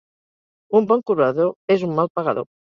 Un bon cobrador és un mal pagador.